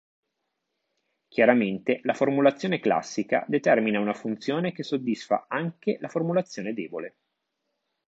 Chiaramente la formulazione classica determina una funzione che soddisfa anche la formulazione debole.